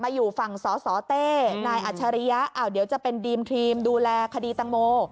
อยู่ฝั่งสสเต้นาอัชริยะเดี๋ยวจะเป็นดีมทีมดูแลคดีตังโม